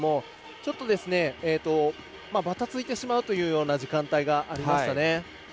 ちょっとばたついてしまうというような時間帯がありましたね。